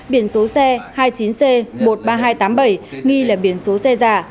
biển số xe hai mươi chín c một mươi ba nghìn hai trăm tám mươi bảy nghi là biển số xe giả